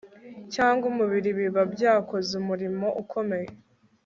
cyangwa umubiri biba byakoze umurimo ukomeye